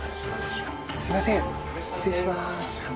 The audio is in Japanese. すいません失礼します。